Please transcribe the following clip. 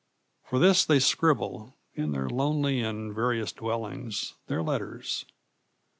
For this they scribble, in their lonely and various dwellings, their letters.